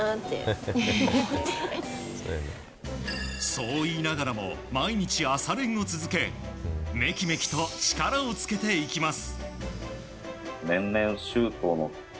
そう言いながらも毎日朝練を続けメキメキと力をつけていきます。